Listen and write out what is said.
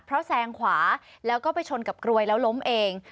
เพราะแซงขวาแล้วก็ไปชนกับกรวยแล้วล้มเอง